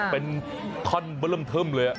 เป็นคีย์เม่ิ่มเท็มเลย